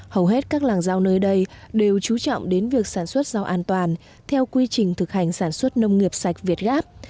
hầu hết các làng rau nơi đây đều trú trọng đến việc sản xuất rau an toàn theo quy trình thực hành sản xuất nông nghiệp sạch việt gáp